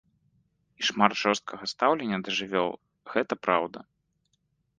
І шмат жорсткага стаўлення да жывёл, гэта праўда.